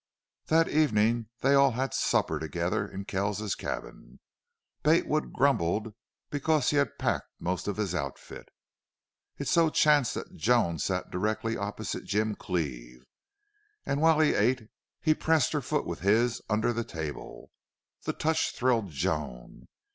That evening they all had supper together in Kell's cabin. Bate Wood grumbled because he had packed most of his outfit. It so chanced that Joan sat directly opposite Jim Cleve, and while he ate he pressed her foot with his under the table. The touch thrilled Joan.